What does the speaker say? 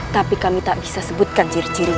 tapi kami tak bisa sebutkan ciri cirinya